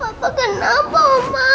papa kenapa mama